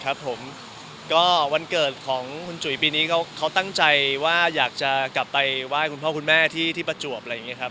ครับผมก็วันเกิดของคุณจุ๋ยปีนี้เขาตั้งใจว่าอยากจะกลับไปไหว้คุณพ่อคุณแม่ที่ประจวบอะไรอย่างนี้ครับ